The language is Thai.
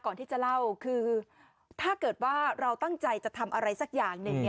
ก่อนที่จะเล่าคือถ้าเกิดว่าเราตั้งใจจะทำอะไรสักอย่างหนึ่ง